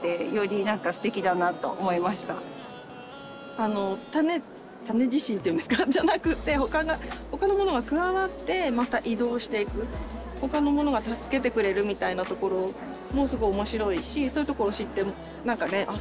あの種種自身っていうんですかじゃなくって他のものが加わってまた移動していく他のものが助けてくれるみたいなところもすごいおもしろいしそういうところを知ってああ